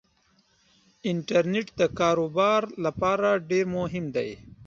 انټرنيټ دکار وبار لپاره ډیرمهم دی